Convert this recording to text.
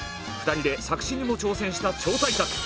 ２人で作詞にも挑戦した超大作！